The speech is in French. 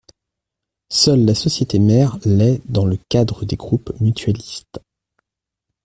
Seule la société mère l’est dans le cadre des groupes mutualistes.